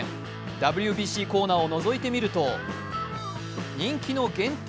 ＷＢＣコーナーをのぞいてみると人気の限定